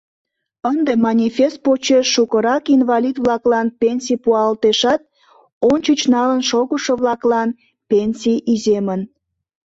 Ынде манифест почеш шукырак инвалид-влаклан пенсий пуалтешат, ончыч налын шогышо-влаклан пенсий иземын.